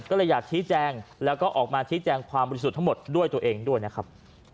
ก็เลยอยากชี้แจงแล้วก็ออกมาชี้แจงความบริสุทธิ์ทั้งหมดด้วยตัวเองด้วยนะครับ